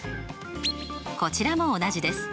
こちらも同じです。